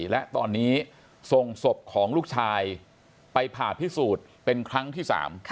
และตอนนี้ส่งศพของลูกชายไปผ่าพิสูจน์เป็นครั้งที่๓